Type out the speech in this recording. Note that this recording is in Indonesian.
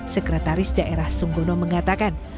sekretaris daerah sunggono mengatakan